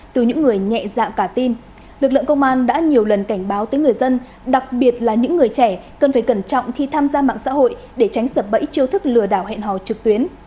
từ những người nhẹ dạ cả tin lực lượng công an đã nhiều lần cảnh báo tới người dân đặc biệt là những người trẻ cần phải cẩn trọng khi tham gia mạng xã hội để tránh sập bẫy chiêu thức lừa đảo hẹn hò trực tuyến